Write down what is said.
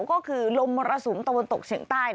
ก็คือลมมรสุมตะวันตกเฉียงใต้